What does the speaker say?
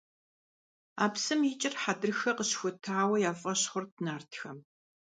А псым икӀыр Хьэдрыхэ къыщыхутауэ я фӀэщ хъурт нартхэм.